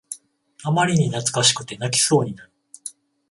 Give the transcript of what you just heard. あまりに懐かしくて泣きそうになる